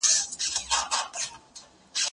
زه به اوږده موده مېوې وچولي وم،